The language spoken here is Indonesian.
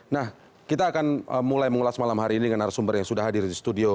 nah kita akan mulai mengulas malam hari ini dengan arsumber yang sudah hadir di studio